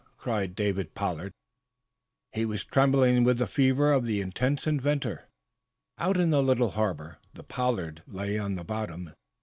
cried David Pollard, hoarsely. He was trembling with the fever of the intense inventor. Out in the little harbor the "Pollard" lay on the bottom.